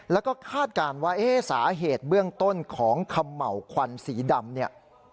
แล้วก็คาดการณ์ว่าสาเหตุเบื้องต้นของขำเหมาควันสีดำ